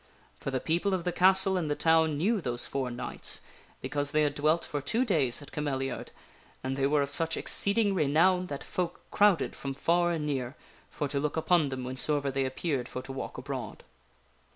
For the people of the castle and the town knew those four knights, because they had dwelt for two days at Cameliafd, and they were of such exceeding renown that folk crowded from far and near for to look upon them whensoever they appeared for to walk abroad.